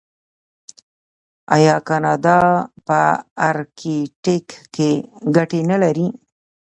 آیا کاناډا په ارکټیک کې ګټې نلري؟